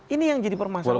ini yang jadi permasalahan